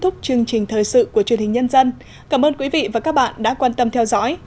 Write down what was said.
thúc chương trình thời sự của truyền hình nhân dân cảm ơn quý vị và các bạn đã quan tâm theo dõi